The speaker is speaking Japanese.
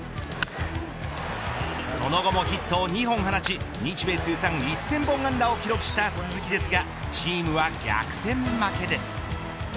その後もヒットを２本放ち日米通算１０００本安打を記録した鈴木ですがチームは逆転負けです。